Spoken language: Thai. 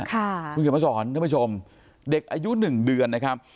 คุณเขียนมาสอนท่านผู้ชมเด็กอายุหนึ่งเดือนนะครับ